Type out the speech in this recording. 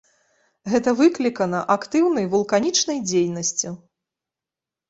Гэта выклікана актыўнай вулканічнай дзейнасцю.